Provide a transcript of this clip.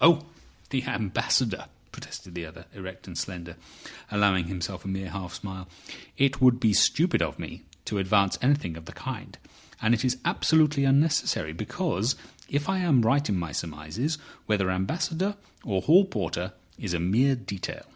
"Oh! The Ambassador!" protested the other, erect and slender, allowing himself a mere half smile. "It would be stupid of me to advance anything of the kind. And it is absolutely unnecessary, because if I am right in my surmises, whether ambassador or hall porter it's a mere detail."